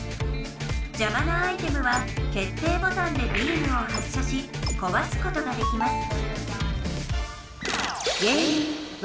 じゃまなアイテムは決定ボタンでビームを発射しこわすことができます